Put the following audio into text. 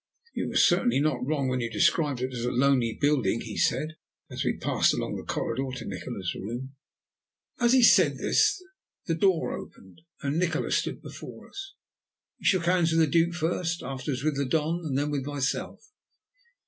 "You were certainly not wrong when you described it as a lonely building," he said, as we passed along the corridor to Nikola's room. As he said this the door opened, and Nikola stood before us. He shook hands with the Duke first, afterwards with the Don, and then with myself.